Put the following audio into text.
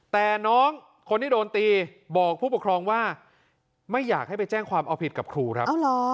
แต่น้องคนที่โดนตีบอกผู้ปกครองว่าไม่อยากให้ไปแจ้งความเอาผิดกับครูครับ